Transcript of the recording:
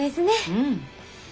うん。